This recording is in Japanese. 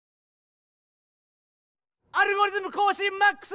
「アルゴリズムこうしんＭＡＸ」！